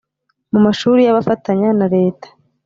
mu mashuri y abafatanya na Leta